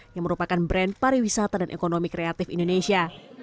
yang merupakan brand pariwisata dan ekonomi kreatif indonesia